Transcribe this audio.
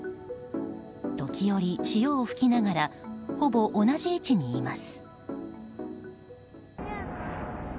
時折、潮を吹きながらほぼ同じ位置にいます。